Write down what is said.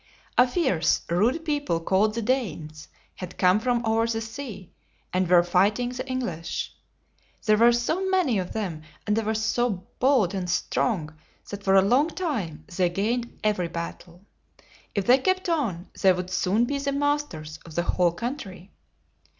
A fierce, rude people, called the Danes, had come from over the sea, and were fighting the Eng lish. There were so many of them, and they were so bold and strong, that for a long time they gained every battle. If they kept on, they would soon be the masters of the whole country.